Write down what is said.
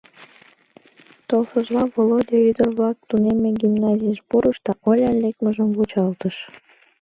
Толшыжла, Володя ӱдыр-влак тунемме гимназийыш пурыш да Олян лекмыжым вучалтыш.